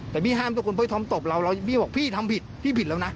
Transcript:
แต่พี่ห้ามทุกคนเพื่อท้อมตบเราแล้วพี่บอกพี่ทำผิดพี่ผิดแล้วนะ